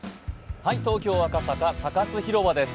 東京・赤坂、サカス広場です。